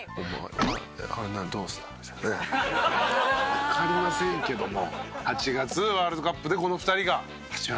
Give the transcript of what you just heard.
わかりませんけども。